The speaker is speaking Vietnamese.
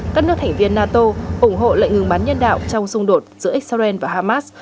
các nước thành viên nato ủng hộ lệnh ngừng bắn nhân đạo trong xung đột giữa israel và hamas